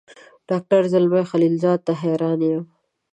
ډاکټر زلمي خلیلزاد ته حیران یم.